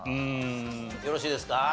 よろしいですか？